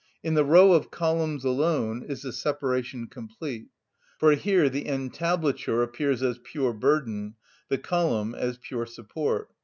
In the row of columns alone is the separation complete, for here the entablature appears as pure burden, the column as pure support.